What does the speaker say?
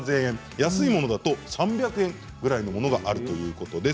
安いものだと３００円ぐらいのものもあるということです。